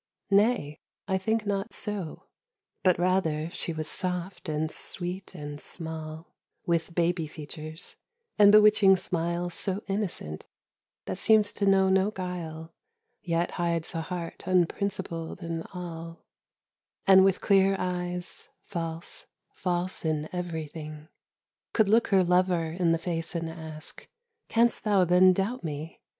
Nay, I think not so; But, rather, she was soft, and sweet, and small; With baby features, and bewitching smile So innocent, that seems to know no guile Yet hides a heart unprincipled in all; And with clear eyes, — false, false in everything !— Could look her lover in the face and ask "Canst thou then doubt me?"